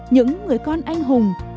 những người con anh hùng